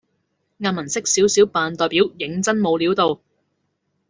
阿文識少少扮代表認真冇料到